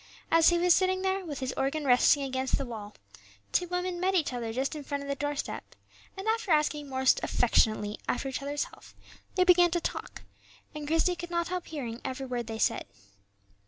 As he was sitting there, with his organ resting against the wall, two women met each other just in front of the doorstep, and after asking most affectionately after each other's health they began to talk, and Christie could not help hearing every word they said.